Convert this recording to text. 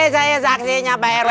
saya saksinya pak rw